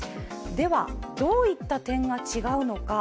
では、どういった点が違うのか。